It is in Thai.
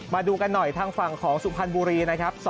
มาดูกันหน่อยทางฝั่งของสุพรรณบุรีนะครับ